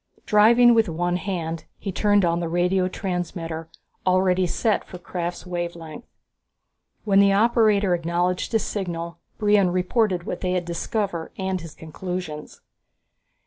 Driving with one hand, he turned on the radio transmitter, already set for Krafft's wave length. When the operator acknowledged his signal Brion reported what they had discovered and his conclusions.